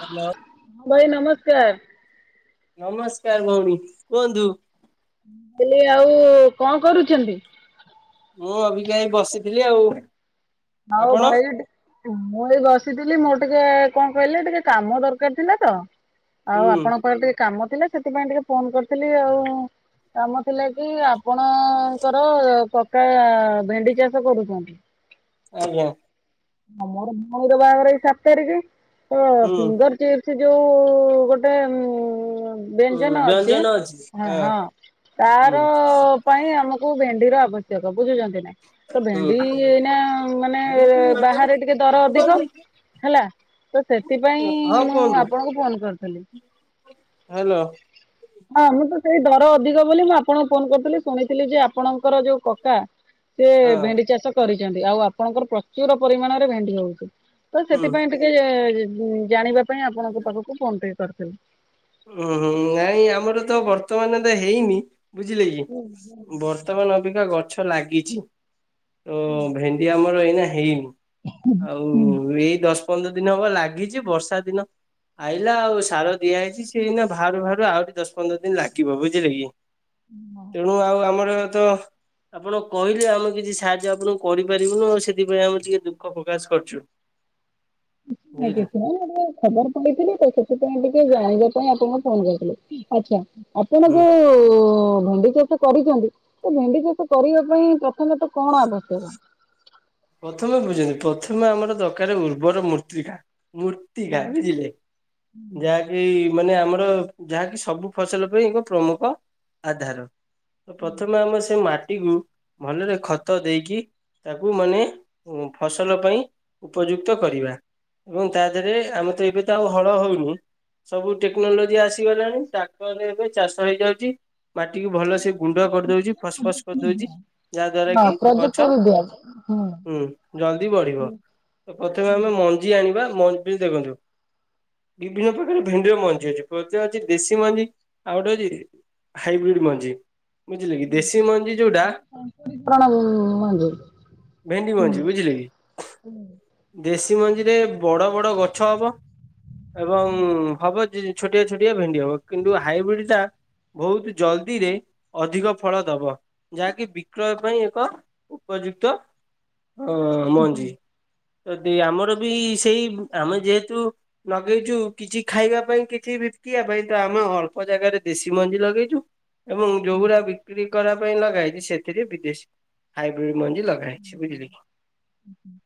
Hello. ଭାଇ ନମସ୍କାର ନମସ୍କାର ନମସ୍ କୁହନ୍ତୁ? ହ୍ୟାଲୋ ଆଉ କଣ କରୁଛନ୍ତି? ମୁଁ ଅବିକା ଏଇ ବସିଥିଲି ଆଉ ଆଉ ଆପଣ? ଭାଇଡ୍। ମୁଁ ଏଇ ବସିଥିଲି ମୋର ଟିକେ କଣ କହିଲେ ଟିକେ କାମ ଦରକାର ଥିଲା ତ ଆଉ ହୁଁ ଆପଣଙ୍କର ଟିକେ କାମ ଥିଲା! ସେଥିପାଇଁ ଟିକେ ଫୋନ କରିଥିଲି ଆଉ କାମ ଥିଲା କି ଆପ୍ କଣ କର ପକା ଭେଣ୍ଡି ଚାଷ କରୁଛନ୍ତି? ଆଜ୍ଞା ମଁ--ମୋର ଭଉଣୀର ବାହାଘର ଏଇ ସାତ ତାରିଖ ତ ହୁଁ ଫିଙ୍ଗର ଚିପ୍। ସେ ଯୋଉଁ ଗୋଟେଏ ଉଁ ବ୍ୟଞ୍ଜନ ଅଛି ହଁ ହଁ ତାର ହୁଁ ପାଇଁ ଆମକୁ ଭେଣ୍ଡିର ଆବଶ୍ୟକ ବୁଝୁଛନ୍ତି ନାଁ ତ ଭେଣ୍ଡି ହୁଁ ହଁ ଏଇନାଁ--ମାନେ--ଏଁ କୁହନ୍ତୁ ବାହାରେ ଟିକେ ଦର ଅଧିକ। ହେଲା ତ ସେଥିପାଇଁ ମୁଁ ଆପଣଙ୍କୁ ଫୋନ୍ କରିଥିଲି। ହ୍ୟାଲୋ। ହଁ ମୁଁ ତ ସେଇ ଦର ଅଧିକ ବୋଲି ମୁଁ ଆପଣଙ୍କୁ ଫୋନ କରିୁଥିଲି ଶୁଣିଥିଲି ଯେ ଆପଣଙ୍କର ଯୋଉ କକା ସେ ହଁ ଭେଣ୍ଡି ଚାଷ କରିଚନ୍ତି ଆଉ ଆପଣଙ୍କର ପ୍ରଚୁର ପରିମାଣରେ ଭେଣ୍ଡି ହଉଛି ତ ହୁଁ। ସେଥିପାଇଁ ଟିକ୍ ଟିକେ ଜାଣିବା ପାଇଁ ଆପଣଙ୍କ ପାଖକୁ ଫୋନ ଟିକେ କରିଥିଲି। ଉୁଁ ହୁଁ ନାଇଁ ଆମର ତ ବର୍ତ୍ତମାନ ତ ହେଇନି ବୁଝିଲେ କି ବର୍। ତମାନ ଅବିକା ଗଛ ଲାଗିଚି ତ ଭେଣ୍ଡି ଆମର ଏଇନା ହେଇନି ଆଉ ଏଇ ଦଶ୍ ପନ୍ଦର ଦିନ ହବ ଲାଗିଚି ବର୍ଷା ଦିନ ଆଇଲା ଆଉ ସାର ଦିଆ ହେଇଚି। ଏଇନା ବାହାରୁ ବାହାରୁ ଆହୁରି ଦଶ ପନ୍ଦର ଦିନ ଲାଗିବ ବୁଝିଲେ କି ତେଣୁ ଆଉ ଆମର ତ ଆପଣ କହିଲେ ଆମେ କିଛି ସାହାଯ୍ୟ ଆପଣଙ୍କୁ କରିପାରିବୁନୁ ଆଉ ସେଥିପାଇଁ ଆମେ ଟିକେ ଦୁଃଖ ପ୍ରକାଶ କରିଚୁ ଆଗେ। [unintelligible] ଖବର ପାଇଥିଲି ତ ସେଥିପାଇଁ ଏବେ ଟିକେ ଜାଣିବା ପାଇଁ ଆପଣଙ୍କୁ ଫୋନ କରିଥିଲି ଆଛା ହୁଁ ଆପଣଙ୍କ ଯୋ ଭେଣ୍ଡି ଚାଷ କରିଛନ୍ତି ତ ଭେଣ୍ଡି ଚାଷ କରିବା ପାଇଁ ପ୍ର ତମେ ତ କଣ ଆବଶ୍ୟକ? ପ୍ରଥମେ ବୁଝଛନ୍ତି ପ୍ରଥମେ ଆମର ଦରକାର ଉର୍ବର ମୂର୍ତ୍ତିକା। ମୂର୍ତ୍ତିକା ବୁଝିଲେ ଯାହାକି ମାନେ ଆମର ଯାହାକି ସବୁ ଫସଲ ପାଇଁ ଏକ ପ୍ରମୁଖ ଆଧାର। ତ ପ୍ରଥମେ ଆମେ ସେ ମାଟିକୁ ଭଲରେ ଖତ ଦେଇକି ତାକୁ ମାନେ ଫସଲ ପାଇଁ ଉପଯୁକ୍ତ କରିବା। ଏବଂ ତା ଦେହରେ ଆମେ ତ ଏବେ ତ ଆଉ ହଳ ହଉନି! ସବୁ ଟେକ୍ନୋଲୋଜି ଆସିଗଲାଣି ଟ୍ରାକ୍ଟରରେ ଏବେ ଚାଷ ହେଇଯାଉଛି। ମାଟିକୁ ଭଲସେ ଗୁଣ୍ଡ କରିଦଉଛି ଫସ ଫସ୍ କରିଦଉଛି ଯାହାଦ୍ୱାରା କି ପ୍ରଯୁକ୍ତ ଗଛ ବିଦ୍ୟା ହଁ ହୁଁ ଜଲ୍ଦି ବଢିବ ପ୍ରଥମେ ଆମେ ମଞ୍ଜି ଆଣିବା ମଞ୍ଜି ଦେଖନ୍ତୁ ବିଭିନ୍ନ ପ୍ରକାର ଭେଣ୍ଡିର ମଞ୍ଜି ଅଛି ପ୍ରତ୍ଯ ଅଛି ଦେଶୀ ମଞ୍ଜି ଆଉ ଗୋଟେ ଅଛି ହାଇବ୍ରିଡ ମଞ୍ଜି ବୁଝିଲେ କି ଦେଶୀ ମଞ୍ଜି ଯୋଉଟା ପ ପ୍ରଣମ୍ ମଞୁ। ଭେଣ୍ଡି ମଞ୍ଜି ବୁଝିଲେ କି ଦେଶୀ ମଞ୍ଜିରେ ବଡ ବଡ ଗଛ ହବ। ଏବଂ ହବ ଯି ଛୋଟିଆ ଛୋଟିଆ ଭେଣ୍ଡି ହବ କିନ୍ତୁ ହାଇବ୍ରିଡ ଟା ବହୁତ ଜଲ୍ଦିରେ ଅଧିକ ଫଳ ଦବ ଯାହାକି ବିକ୍ରୟ ପାଇଁ ଏକ ଉପଯୁକ୍ତ। ହଁ ମଞ୍ଜି ତ ଦି ଆମର ବି ସେଇ ଆମେ ଯେହେତୁ ଲଗେଇଛୁ କିଛି ଖାଇବା ପାଇଁ କିଛି ବିପିକିଆ ପାଇଁ ତ ଆମେ ଅଳ୍ପ ଜାଗାରେ ଦେଶୀ ମଞ୍ଜି ଲଗେଇଛୁ। ଏବଂ ଯୋଉଗୁଡା ବିକ୍ରି କରିବା ପାଇଁ ଲଗାହେଇଛି ସେଥିରେ ବିଦେଶୀ ହାଇବ୍ରିଡ ମଞ୍ଜି ଲଗାହେଇଛି। ଛିବୁଝିଲେ କି? ହୁ୍ ହ [unintelligible]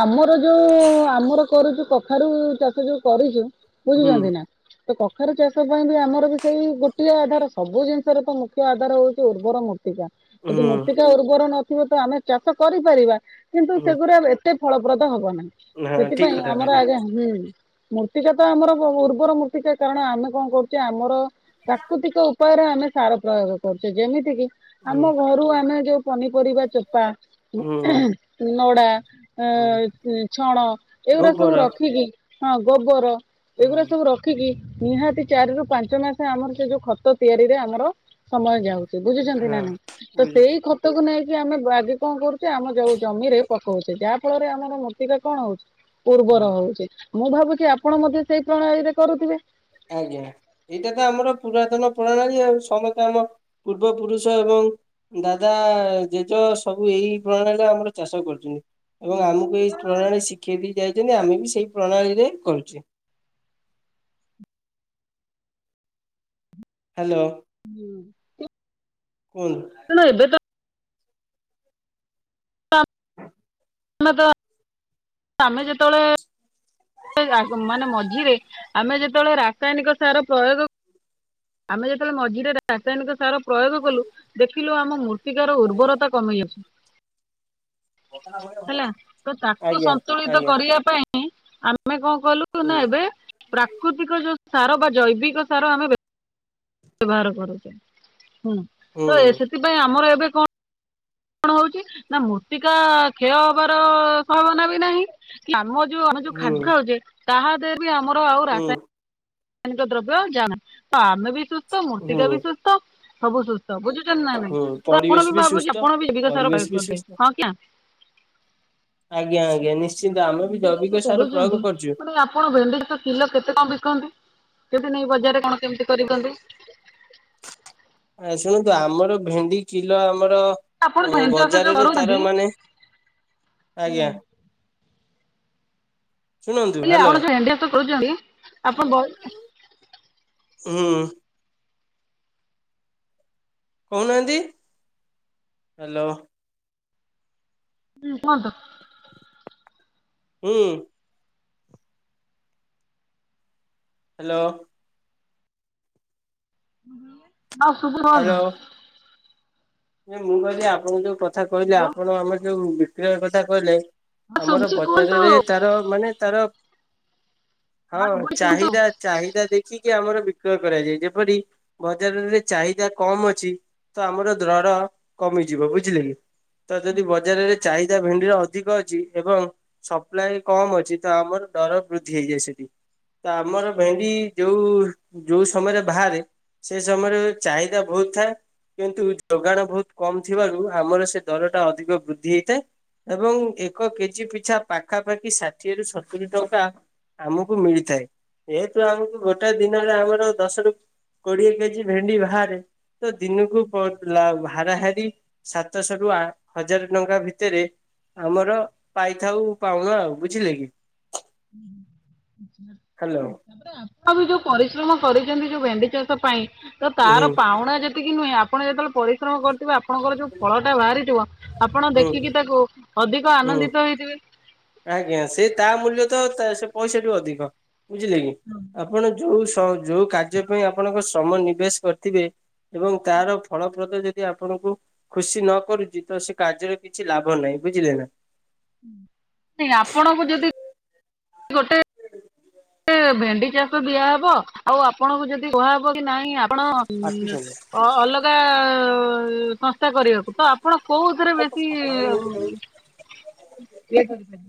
ଆମର ଯୋଉ ଆମର କରୁଛୁ କଖାରୁ ଚାଷ ଯୋଉ କରୁଛୁ ହୁଁ ବୁଝୁଛନ୍ତି ନା। ତ କଖାରୁ ଚାଷ ପାଇଁ ବି ଆମର ବି ସେଇ ଗୋଟିଏ ଆଧାର ସବୁ ଜିନିଷରେ ତ ମୁଖ୍ୟ ଆଧାର ହଉଛି ଉର୍ବର ମୂର୍ତ୍ତି ମୃର୍ତ୍ତିକା ଯଦି ହୁଁ ମୃତ୍ତିକା ଉର୍ବର ନଥିବ ତ ଆମେ ଚାଷ କରିପାରିବା କିନ୍ତୁ ହୁଁ। ସେଗୁଡ଼ା ଏତ ସେତେ ଫଳପ୍ରଦ ହବ ନାହିଁ। ହଁ ଠିକ ସେଥିପାଇଁ କଥା ଆମର କହିଲେ ଆଜ୍ଞା ହୁଁ ମୂର୍ତ୍ତିକା ତ ଆମର ବୁ ବୁ ଉର୍ବର ମୂର୍ତ୍ତିକା କାରଣ ଆମେ କଣ କରୁଛେ ଆମର ପ୍ରାକୃତିକ ଉପାୟରେ ଆମେ ସାର ପ୍ରୟୋଗ କରୁଛେ। ଯେମିତି କିି ହୁଁ ଆମ ଘରୁ ଆମେ ଯୋଉ ପନିପରିବା ଚୋପା ଉ ହୁଁ ନଡା ହୁଁ ଏଁ ତି ଛଣ ଏଗୁଡ଼ା ସବୁ ଗୋବର ରଖିକି ହଁ ଗୋବର ଏଗୁଡା ହୁଁ ସବୁ ରଖିକି ନିହାତି ଚାରି ରୁ ପାଞ୍ଚ ମାସ ଆମର ସେ ଯୋଉ ଖତ ତିଆରିରେ ଆମର ସମୟ ଯାଉଛି ବୁଝୁଛନ୍ତି ନା ହଁ ନାଇଁ ତ ସେଇ ବୁଝୁଛି ଖତକୁ ନେଇକି ଆମେ ବାଗେ କଣ କରୁଛୁ? ସେ ଆମ ଯୋଉ ଜମିରେ ପକଉଛେ ଯାହା ଫଳରେ ଆମର ମୂର୍ତିକା କଣ ହଉଛି ହୁଁ ଉର୍ବର ହଉଛି। ମୁଁ ଭାବୁଛି ଆପଣ ମଧ୍ୟ ସେଇ ପ୍ରଣାଳୀରେ କରୁଥିବେ। ଆଜ୍ଞା ଏଇଟା ତ ଆମର ପୁରାତନ ପ୍ରଣାଳୀ ଆଉ ସମସ୍ତେ ଆମ ପୂର୍ବ ପୁରୁଷ ଏବଂ ଦାଦା ଜେଜ ସବୁ ଏଇ ପ୍ରଣାଳୀରେ ଆମର ଚାଷ କରୁଛନ୍ତି। ଏବଂ ଆମକୁ ଏଇ ପ୍ରଣାଳୀ ଶିଖେଇ ଦେଇ ଯାଇଛନ୍ତି ଆମେ ବି ସେଇ ପ୍ରଣାଳୀରେ କରୁଛେ। ହ୍ୟାଲୋ ହୁଁ କୁହନ୍ତୁ ରଣ ଏବେ ତ ମତ ଆମେ ଯେତେବେଳେ ଆ ମାନେ ମଝିରେ ଆମେ ଯେତେବେଳେ ରାସାୟନିକ ସାର ପ୍ରୟୋଗ। ଆମେ ଯେତେବେଳେ ମଝିରେ ରାସାୟନିକ ସାର ପ୍ରୟୋଗ କଲୁ ଦେଖିଲୁ ଆମ ମୁ। ପ୍ରତିକାର ଉର୍ବରତା କମେଇ ବ। ହେଲା ତ ତାକୁ ଆଜ୍ଞା ସନ୍ତୁଳିତ ଆଜ୍ଞା କରିବା ପାଇଁ ଆମେ କଣ କଲୁ ହୁଁ ନା ଏବେ। ପ୍ରାକୃତିକ ଯୋଉ ସାର ବା ଜୈବିକ ସାର ଆମେ ବ୍ୟବ? ବ୍ୟବହାର କରୁଛେ ହୁଁ ତ ହୁଁ ସେଥିପାଇଁ ଆମର ଏବେ କଣ। କଣ ହଉଛି ନା ମୃତ୍ତିକା କ୍ଷୟ ହବାର ସମ୍ଭାବନା ବି ନାହିଁ। ଆମ ଯୋଉ ଆମେ ଯୋଉ ହୁଁ ଖାଦ୍ ଖାଉଛେ ତାହା ଦେହରେ ବି ଆମର ଆଉ ହୁଁ ରାସା? ରାସାୟନିକ ଦ୍ରବ୍ୟ ଜାଣ ତ ଆମେ ବି ସୁସ୍ଥ ମୃର୍ତ୍ତିକା ହୁଁ ବି ସୁସ୍ଥ ସବୁ ସୁସ୍ଥ। ତ ବୁଝୁଛନ୍ତି ନା ନାଇଁ ହୁଁ ତ ପରିବେଶ ଆପଣ ବି ଭାବୁଛି ସୁସ୍ଥ ଆପଣ ବି ଜୀବିକାର ପରିବେଶ ପ୍ରୟୋଗ ବି କରିବେ ସୁସ୍ଥ ହଁ କି ନା। ଆଜ୍ଞା ଆଜ୍ଞା ନିଶ୍ଚିନ୍ତ ଆମେ ବି ଭେଣ୍ଡି ଜୈବିକ ଚାଷ ସାର ପ୍ରୟୋଗ କରୁଛନ୍ତି କରୁଛୁ। ମାନେ ଆପଣ ଭେଣ୍ଡି ଚା। କିଲୋ କେତେ କଣ ବିକନ୍ତି। କେଉଁଠି ଉଠି ନେଇ ବଜାରରେ କଣ କେମିତି କରି ବିକନ୍ତି। ଆସନ୍ତୁ ଆମର ଭେଣ୍ଡି କିଲୋ ଆମର। ଆପଣ ଯୋଉ ଓ ଭେଣ୍ଡି ଚାଷ ଯୋଉ ବଜାରରେ କରୁଛନ୍ତି ତାର ମାନେ ଆଜ୍ଞା। ଶୁଣନ୍ତୁ ହେଲେ ହ୍ୟାଲୋ ଆପଣ ସବୁ ଏଣ୍ଡିଆସ କରୁଛନ୍ତି ଆପଣ ବହୁ [unintelligible] ହୁଁ ହୁଁ। କହୁନାହାନ୍ତି ହ୍ୟାଲୋ। ହୁଁ ହଁ? ହୁଁ ହ୍ୟାଲୋ। ଆ ସୁ [unintelligible] କୁହନ୍ତୁ? ନା ମୁଁ କହିଲି ଆପଣଙ୍କୁ ଯୋଉ କଥା କହିଲି ହଁ ଆପଣ ଆମେ ଯୋଉ ବିକ୍ରୟ କଥା କହିଲେ। ଆମର ଶୁଭୁଛି କୁହନ୍ତୁ ବଜାରରେ ହଁ ତାର। ମାନେ ତାର ହଁ ଶୁଭୁଛି କୁହନ୍ତୁ। ଚାହିଦା ଚାହିଦା ଦେ? ଦେଖିକି ଆମର ବିକ୍ରୟ କରାଯାଏ ଯେପରି ବଜାରରେ ଚାହିଦା କମ ଅଛି ତ ଆମର। ଦର କମିଯିବ ବୁଝିଲେ କି ତ ଯଦି ବଜାରରେ? ଚାହିଦା ଭେଣ୍ଡିର ଅଧିକ ଅଛି ଏବଂ? ସପ୍ଲାଏ କମ ଅଛି ତ ଆମର ଦର ବୃଦ୍ଧି ହେଇଯାଏ ସେଠି। ତ ଆମର ଭେଣ୍ଡି ଯୋଉ? ଯଉ ସମୟରେ ବାହାରେ ସେ ସମୟରେ ଚାହିଦା ବହୁତ ଥାଏ କିନ୍ତୁ? ଯୋଗାଣ ବହୁତ କମ ଥିବାରୁ ଆମର ସେ ଦର ଟା ଅଧିକ ବୃଦ୍ଧି ହେଇଥାଏ। ଏବଂ ଏକ କେଜି ପିଛା ପାଖାପାଖି ଷାଠିଏରୁ ସତୁରି ଟଙ୍କା। ଆମକୁ ମିଳିଥାଏ। ଯେହେତୁ ଆମକୁ ଗୋଟେ ଦିନରେ ଆମର ଦଶରୁ କୋଡିଏ କେଜି ଭେଣ୍ଡି ବାହାରେ। ତ ଦିନକୁ ପଣ୍ଟ? ତ ହାରାହାରି ସାତଶହ ରୁ ଆ ହଜାର ଟଙ୍କା ଭିତରେ? ଆମର ପାଇଥାଉ ପାଉଣା ଆଉ ବୁଝିଲେ କି? ହଁ ହ ହ୍ୟାଲୋ [unintelligible] ତାପରେ ଆପଣ ବି ଯୋଉ ପରିଶ୍ରମ କରିଛନ୍ତି ଯୋଉ ଭେଣ୍ଡି ଚାଷ ପାଇଁ ତ ହୁଁ ତାର ପାଉଣା ଯେ? ସେତିକି କି ନୁହେଁ ଆପଣ ଯେତେବେଳେ ପରିଶ୍ରମ କରିଥିବେ ଆପଣଙ୍କର ଯୋଉ ଫଳ ଟା ବାହାରିଯିବ ଆପଣ ହୁଁ ଦେଖିକି ତାକୁ? ଅଧିକ ହୁଁ। ଆନନ୍ଦିତ ହେଇଥିବେ। ଆଜ୍ଞା ସେ ତା ମୂଲ୍ୟ ତ ତା ସେ ପଇସା ଠୁ ଅଧିକ। ବୁଝିଲେ କି? ଆପଣ ଯୋଉ ସୁ ତ ଯୋଉ କାର୍ଯ୍ୟ ପାଇଁ ଆପଣଙ୍କ ଶମ ନିବେଶ କରିଥିବେ ଏବଂ ତାର ଫଳପ୍ରଦ ଯଦି ଆପଣଙ୍କୁ ଖୁସି ନ କରୁଚି ତ ସେ କାର୍ଯ୍ୟରେ କିଛି ଲାଭ ନାହିଁ, ବୁଝିଲେ ନା। ନାଇଁ ଆପଣଙ୍କୁ ଯଦି ଗୋଟେ ଅ, ଭେଣ୍ଡି ଚାଷ ଦିଆହବ, ଆଉ ଆପଣଙ୍କୁ ଯଦି କୁହାହବ କି ନାଇଁ ଆପଣ ଆଠ ପିସ୍ ଆଜ୍ଞା। ଅ, ଅଲଗା ସଂସ୍ଥା କରିବା ତ ଆପଣ କୋଉଥିରେ ବେଶୀ [unintelligible] ଇଏ କରିଛନ୍ତି?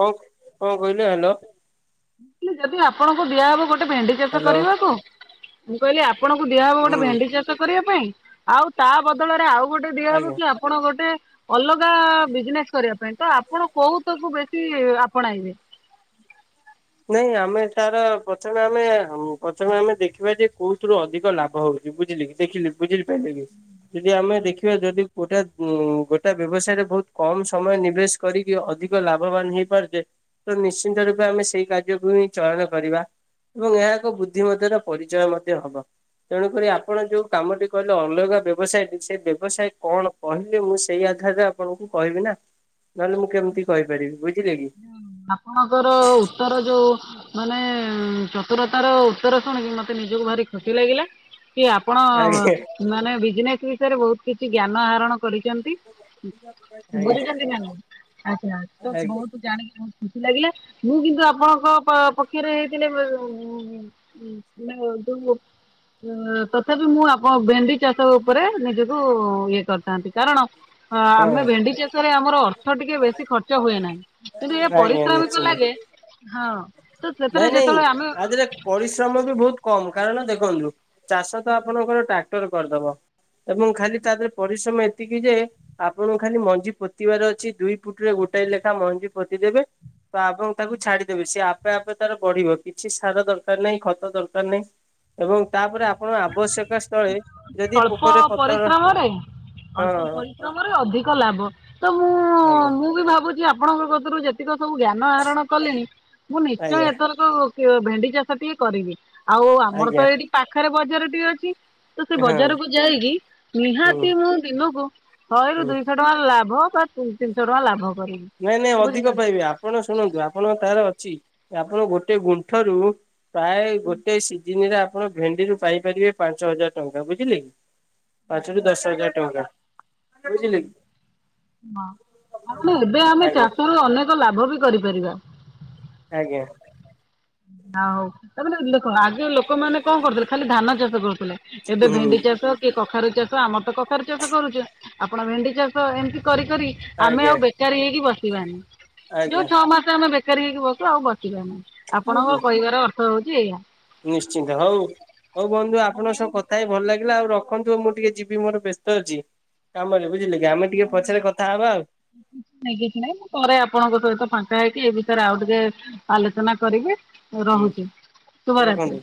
କଣ କଣ କହିଲେ? ହ୍ୟାଲୋ। [unintelligible] ଯଦି ଆପଣଙ୍କୁ ଦିଆହବ ଗୋଟେ ଭେଣ୍ଡି ଚାଷ ହ୍ୟାଲୋ କରିବାକୁ, ମୁଁ କହିଲି ଆ ଆପଣଙ୍କୁ ଦିଆହବ ଗୋଟେ ହୁଁ ଭେଣ୍ଡି ଚାଷ କରିବା ପାଇଁ। ଆଉ ତା ବଦଳରେ ଆଉ ଗୋଟେ ଦିଆହବ ଆଜ୍ଞା। କି ଆ ଆପଣ ଗୋଟେ ଅଲଗା ବିଜନେସ୍ କରିବା ପାଇଁ ତ ଆପଣ କୋଉ ତାକୁୁ ବେଶୀ ଆପଣାଇବେ? ନାଇଁ ଆମେ ତାର ପ୍ରଥମେ ଆମେ ହୁଁ, ପ୍ରଥମେ ଆମେ ଦେଖିବା ଯେ କୋଉଥିରୁ ଅଧିକ ଲାଭ ହଉ ଚି, ବୁଝିଲି କି ଦେଖିଲି ବୁଝିଲି ପାରିଲେ କି ଯଦି ଆମେ ଦେଖିବା ଯଦି ଗୋଠା ଉ, ଗୋଟା ବ୍ୟବସାୟରେ ବହୁତ କମ ସମୟ ନିବେଶ କରିକି ଅଧିକ ଲାଭବାନ ହେଇପାରୁଚେ। ତ ନିଶ୍ଚିନ୍ତ ରୂପେ ଆମେ ସେଇ କାର୍ଯ୍ୟକୁ ହିଁ ଚୟନ କରିବା। ତୋମ ଗାଁ କୁ ବୁଦ୍ଧିମତିର ପରିଚୟ ମଧ୍ୟ ହବ। ତେଣୁକରି ଆପଣ ଯୋଉ କାମଟି କଲେ ଅଲଗା ବ୍ୟବସାୟଟି ସେ ବ୍ୟବସାୟ କଣ? କହିଲେ ମୁଁ ସେଇ ଆଧାରରେ ଆପଣଙ୍କୁ କହିବି ନା, ନହେଲେ ମୁଁ କେମିତି କହିପାରିବି ବୁଝିଲେ କି। ଆପଣଙ୍କର ଉତ୍ତର ଯୋଉ ମାନେ ଚତୁରତାର ଉତ୍ତର ଶୁଣିକି ମୋତେ ନିଜକୁ ଭାରି ଖୁସି ଲାଗିଲା, କି ଆ ଆପଣ ଆଜ୍ଞା ମାନେ ବିଜନେସ୍ ବିଷୟରେ ବହୁତ କିଛି ଜ୍ଞାନ ଆରଣ କରିଚନ୍ତି। ଆଜ୍ଞା ବୁଝୁଛନ୍ତି ନା [unintelligible] ଆଚ୍ଛା ତ ଆଜ୍ଞା ବହୁତ ଜାଣିକି ବହୁତ ଖୁସି ଲାଗିଲା ମୁଁ କିନ୍ତୁ ଆପଣଙ୍କ ପ- ପକ୍ଷରେ ହେଇଥିଲେ [unintelligible] ହୁଁ, [unintelligible] ତ ତଥାପି ମୁଁ ଆପଣ ଭେଣ୍ଡି ଚାଷ ଉପରେ ନିଜକୁ ଇଏ କରିଥାନ୍ତି କାରଣ ହଁ ହଁ। ଆମେ ଭେଣ୍ଡି ଚାଷ ରେ ଆମର ଅର୍ଥ ଟିକେ ବେଶି ଖର୍ଚ୍ଚ ହୁଏ ନାହିଁ। କିନ୍ତୁ ଏ ଆଜ୍ଞା ପରିଶ୍ରମିକ ନିଶ୍ଚିନ୍ତ ଲାଗେ ହଁ ତ ସେଥିରେ ନାଇଁ ନାଇଁ ଯେତେବେଳେ ଆମେ ଆ ଦିଅରେ ପରିଶ୍ରମ ବି ବହୁତ କମ କାରଣ ଦେଖନ୍ତୁ ଚାଷ ତ ଆପଣଙ୍କର ଟ୍ରାକ୍ଟର୍ କରିଦବ। ଏବଂ ଖାଲି ତା ଦେହରେ ପରିଶ୍ରମ ଏତିକି ଯେ ଆପଣଙ୍କୁ ଖାଲି ମଞ୍ଜି ପୋତିିବାର ଅଛି ଦୁଇ ଫୁଟ୍ ରେ ଗୋଟାଏ ଲେଖା ମଞ୍ଜି ପୋତି ଦେବେ। ତ ଆପଣ ତାକୁ ଛାଡିଦେବେ ସିଏ ଆ ଆପେ ଆପେ ତାର ବଢିବ, କିଛି ସାର ଦରକାର ନାହିଁ, ଖତ ଦରକାର ନାହିଁ, ଏବଂ ତାପରେ ଆପଣ ଆବଶ୍ୟକ ସ୍ଥଳେ ଯଦି ଅଳ୍ପ ପୋକରେ ପତର ପରିଶ୍ରମରେ ଅଳ୍ପ ହଁ ପରିଶ୍ରମରେ ଅଧିକ ଲାଭ, ତ ମୁଁ ଆଜ୍ଞା। ମୁଁ ବି ଭାବୁଛି ଆପଣଙ୍କ କତୁରୁ ଯେତିକ ସବୁ ଜ୍ଞାନ ଆହରଣ କଲିଣି ମୁଁ ନିଶ୍ଚୟ ଆଜ୍ଞା ଏଥର ହଁ ହଉ କିଅ ଭେଣ୍ଡି ଚାଷ ଟିକେ କରିବି। ଆଉ ଆମର ଆଜ୍ଞା ତ ଏଇଠି ପାଖରେ ବଜାର ଟି ଅଛି। ତ ସେ ହଁ ବଜାରକୁ ଯାଇକି ହୁଁ ନିହାତି ମୁଁ ଦିନକୁ ଶହେ ରୁ ହୁଁ ଦୁଇ ଶହ ଟଙ୍କା ଲାଭ ବା ତିନ ତିନିଶହ ଟଙ୍କା ଲାଭ କରିବି। ନାଇଁ ନାଇଁ ଅଧିକ ବୁଝିଛନ୍ତି ପାଇବା। ଆପଣ ଶୁଣନ୍ତୁ ଆପଣ ତାର ଅଛି, ଆପଣ ଗୋଟେ ଗୁଣ୍ଠରୁ ପ୍ରାୟ ଗୋଟେ ସି [unintelligible] ଆପଣ ଭେଣ୍ଡିରୁୁ ପାଇପାରିବେ ପାଞ୍ଚ ହଜାର ଟଙ୍କା ବୁଝିଲେ କି, [inaudible] ପାଞ୍ଚ ରୁ ଦଶ ହଜାର ଟଙ୍କା ବୁଝିଲେ କି? [unintelligible] ଏବେ ଆମେ ଆଜ୍ଞା ଚାଷରୁ ଅନେକ ଲାଭ ବି କରିପାରିବା। ଆଜ୍ଞା। [unintelligible] ଆଗରୁ ଲୋକମାନେ କଣ କରୁଥିଲେ ଖାଲି ଧାନ ଚାଷ କରୁଥିଲେ, ଏବେ ହୁଁ ଭେଣ୍ଡି ଚାଷ କି କଖାରୁ ଚାଷ ଆମର ତ କଖାରୁ ଚାଷ କରୁଛୁ, ଆପଣ ଭେଣ୍ଡି ଚାଷ, ଏମିତି କରି କରି ଆମେ ଆଜ୍ଞା। ଆଉ ବେକାରୀ ହେଇକି ବସିବାନି। ଯୋଉ ଆଜ୍ଞା ଛଅ ମାସ ଆମେ ବେକାରୀ ହେଇକି ବସୁ ଆଉ ବସିବାନି। ଆପଣଙ୍କ ଆଜ୍ଞା କହିବାର ଅର୍ଥ ହଉଛି ଏଇଆ। ନିଶ୍ଚିନ୍ତ ହଉ, ହଉ ବନ୍ଧୁ ଆପଣଙ୍କ ସହ କଥା ହେଇ ଭଲ ଲାଗିଲା, ଆଉ ରଖନ୍ତୁ ମୁଁ ଟିକେ ଯିବି ମୋର ବ୍ୟସ୍ତ ଅଛି। କାମରେ ବୁଝିଲେ କି, ଆମେ ଟିକେ ପଛରେ କଥା ହବା ଆଉ। ନାଇଁ କିଛି ନାଇଁ ମୁଁ ପରେରେ ଆପଣଙ୍କ ସହିତ ଫାଙ୍କା ହେଇକି ଏ ବିଷୟରେ ଆଉ ଟିକେ ଆଲୋଚନା କରିକି ହୁଁ ରହୁଛି, ରଖନ୍ତୁ। ଶୁଭରାତ୍ରି।